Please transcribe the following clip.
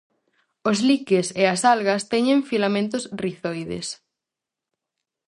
Os liques e as algas teñen filamentos rizoides.